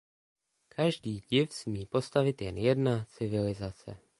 Každý div smí postavit jen jedna civilizace.